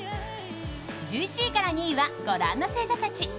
１１位から２位はご覧の星座たち。